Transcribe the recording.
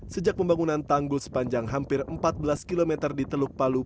sejak pembangunan tanggul sepanjang hampir empat belas km di teluk palu